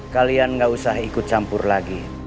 kalian gak usah ikut campur lagi